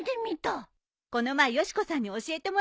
この前よし子さんに教えてもらったの。